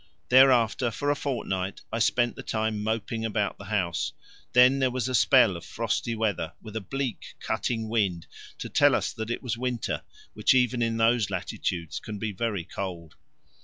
Thereafter for a fortnight I spent the time moping about the house; then there was a spell of frosty weather with a bleak cutting wind to tell us that it was winter, which even in those latitudes can be very cold.